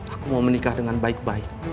aku mau menikah dengan baik baik